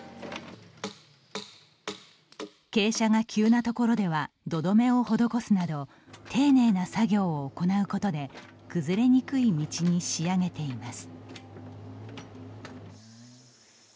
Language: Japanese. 傾斜が急な所では土留めを施すなど丁寧な作業を行うことで崩れにくい道に仕上げています。